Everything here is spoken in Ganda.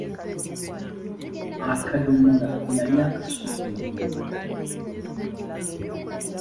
Akadomola yali akasudde mu mwala.